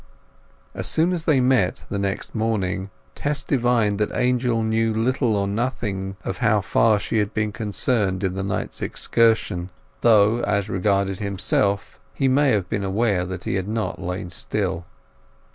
As soon as they met the next morning Tess divined that Angel knew little or nothing of how far she had been concerned in the night's excursion, though, as regarded himself, he may have been aware that he had not lain still.